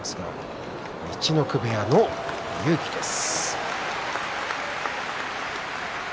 陸奥部屋の勇輝です。